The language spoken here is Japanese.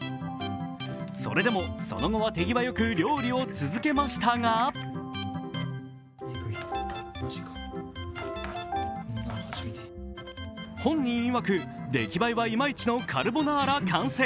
それでもその後は手際よく料理を続けましたが本人いわく出来栄えはいまいちのカルボナーラ完成。